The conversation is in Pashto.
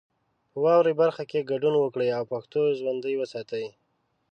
په واورئ برخه کې ګډون وکړئ او پښتو ژوندۍ وساتئ.